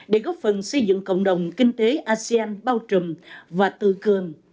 để góp phần xây dựng cộng đồng kinh tế asean bao trùm và tự cường